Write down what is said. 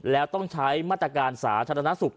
แล้วต้องใช้มาตรการสาธารณสุข